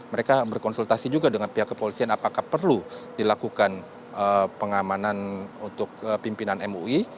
mereka berkonsultasi juga dengan pihak kepolisian apakah perlu dilakukan pengamanan untuk pimpinan mui